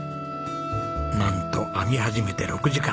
なんと編み始めて６時間。